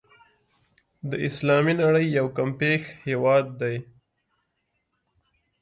د اسلامي نړۍ یو کمپېښ هېواد دی.